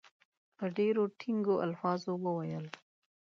په ډېرو ټینګو الفاظو وویل.